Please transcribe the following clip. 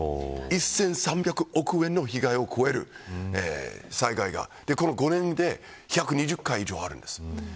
１３００億円の被害を超える災害がこの５年で１２０回以上あるんです。